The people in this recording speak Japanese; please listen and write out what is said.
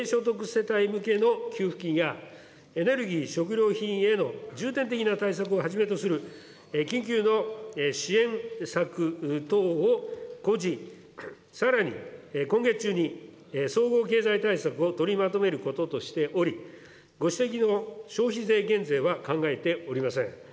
世帯向けの給付金やエネルギー、食料品への重点的な対策をはじめとする緊急の支援策等を講じ、さらに今月中に、総合経済対策を取りまとめることとしており、ご指摘の消費税減税は考えておりません。